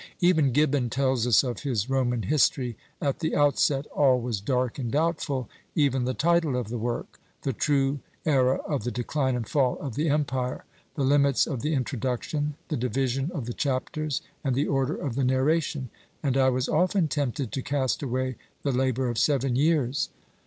Even Gibbon tells us of his Roman History, "at the outset all was dark and doubtful; even the title of the work, the true ÃḊra of the decline and fall of the empire, the limits of the introduction, the division of the chapters, and the order of the narration; and I was often tempted to cast away the labour of seven years."